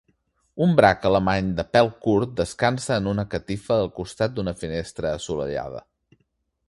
Un brac alemany de pèl curt descansa en una catifa al costat d'una finestra assolellada.